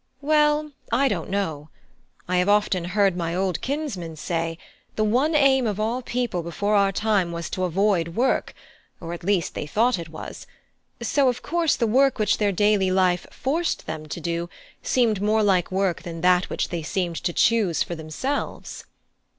Well, I don't know. I have often heard my old kinsman say the one aim of all people before our time was to avoid work, or at least they thought it was; so of course the work which their daily life forced them to do, seemed more like work than that which they seemed to choose for themselves."